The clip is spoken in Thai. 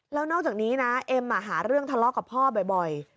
แล้วนอกจากนี้นะเอ็มหาเรื่องทะเลาะกับพ่อบ่อย